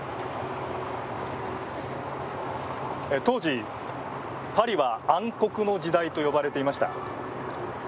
当時、パリは暗黒の時代と呼ばれていました。